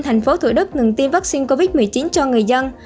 thành phố thủ đức ngừng tiêm vaccine covid một mươi chín cho người dân